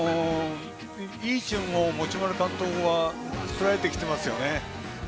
いいチームを持丸監督は作られてきていますね。